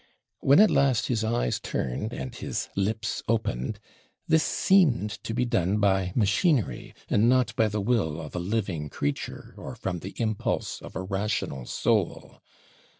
When, at last, his eyes turned, and his lips opened, this seemed to be done by machinery, and not by the will of a living creature, or from the impulse of a rational soul.